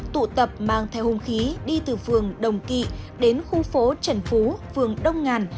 tụ tập mang theo hung khí đi từ vườn đồng kỵ đến khu phố trần phú vườn đông ngàn